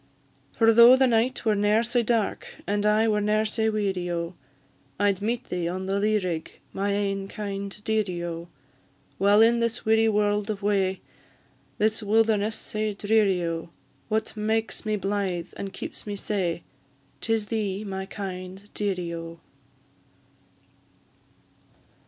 For though the night were ne'er sae dark, And I were ne'er sae weary, O! I'd meet thee on the lea rig, My ain kind dearie, O! While in this weary world of wae, This wilderness sae dreary, O! What makes me blythe, and keeps me sae? 'Tis thee, my kind dearie, O!